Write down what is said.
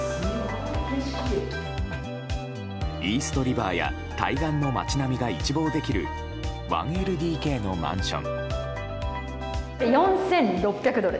イーストリバーや対岸の街並みが一望できる１ＬＤＫのマンション。